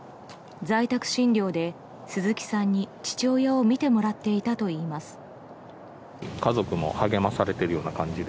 在宅診療で鈴木さんに父親を診てもらっていたといいます。